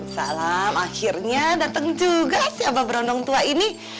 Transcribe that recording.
assalamualaikum akhirnya datang juga si abang berondong tua ini